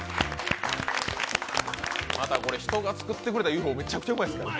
またこれ人が作ってくれたＵ．Ｆ．Ｏめちゃくちゃうまいですよね。